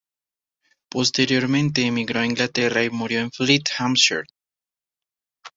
Posteriormente, emigró a Inglaterra y murió en Fleet, Hampshire.